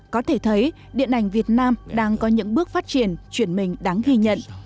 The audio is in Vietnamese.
có thể thấy điện ảnh việt nam đang có những bước phát triển chuyển mình đáng ghi nhận